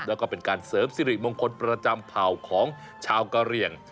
แล้วก็เป็นการเสริมสิริมงคลประจำเผ่าของชาวกะเหลี่ยง